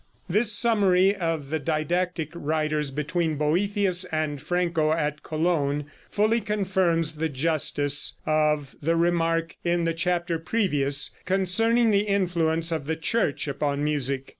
] This summary of the didactic writers between Boethius and Franco at Cologne fully confirms the justice of the remark, in the chapter previous, concerning the influence of the Church upon music.